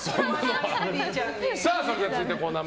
それでは続いてのコーナー